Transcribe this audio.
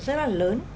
rất là lớn